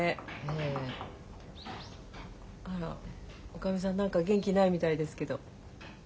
あらおかみさん何か元気ないみたいですけど。